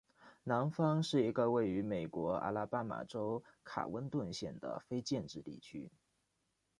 南方是一个位于美国阿拉巴马州卡温顿县的非建制地区。